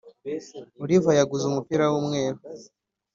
oliva yaguze umupira w'umweru